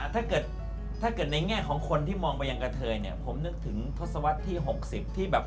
ถ้าเกิดถ้าเกิดในแง่ของคนที่มองไปยังกระเทยเนี่ยผมนึกถึงทศวรรษที่๖๐ที่แบบ